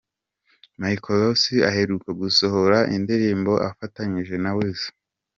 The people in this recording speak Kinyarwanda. Michael Ross aheruka gusohora indirimbo afatanyije na Weasel.